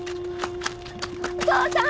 お父さん！？